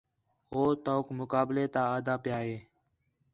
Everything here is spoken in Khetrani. ہُو تؤک مقابلے تا آہدا پِیا ہِے